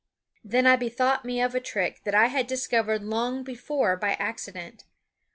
Then I bethought me of a trick that I had discovered long before by accident.